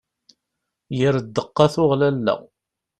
Yir ddeqqa tuɣ lalla.